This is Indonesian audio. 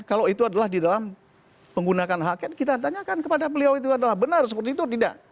kalau itu adalah di dalam penggunaan haknya kita tanyakan kepada beliau itu adalah benar seperti itu tidak